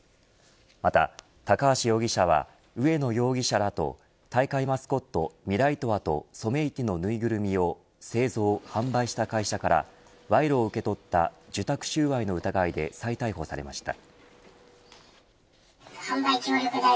また高橋容疑者は植野容疑者らと大会マスコットミライトワとソメイティの縫いぐるみを製造・販売した会社から賄賂を受け取った受託収賄の疑いで再逮捕されました。